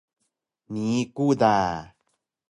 Nii ku da